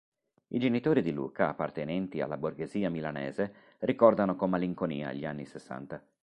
I genitori di Luca, appartenenti alla borghesia milanese, ricordano con malinconia gli anni sessanta.